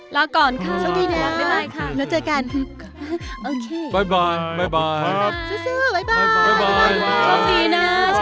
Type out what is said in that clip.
ลาก่อนค่ะสวัสดีนะบ๊ายบายค่ะแล้วเจอกันโอเคบ๊ายบายบ๊ายบายครับบ๊ายบายสู้สู้บ๊ายบายบ๊ายบายบ๊ายบายชอบดีนะชอบดี